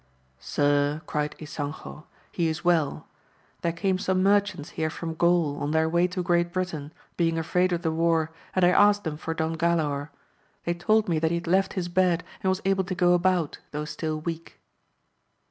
Sir, cried Ysanjo, he is well : there came some merchants here from Gaul, on their way to Great Britain, being afraid of the war, and I asked them for Don Galaor ; they told me that he had left his bed, and was able to go about, though still weak.